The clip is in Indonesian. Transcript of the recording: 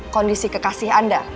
kondisi kekasih anda